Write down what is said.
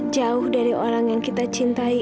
jauh dari orang yang kita cintai